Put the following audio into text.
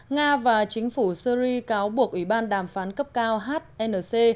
nga và chính phủ syri cáo buộc ủy ban đàm phán cấp cao hnc